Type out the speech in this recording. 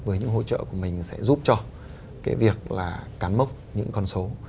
với những hỗ trợ của mình sẽ giúp cho cái việc là cán mốc những con số